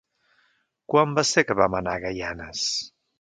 Quan va ser que vam anar a Gaianes?